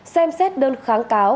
xem xét đơn kháng cáo